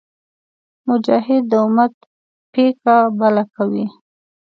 مجاهد د امت پیکه بله کوي.